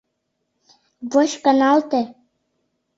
Воч, каналте.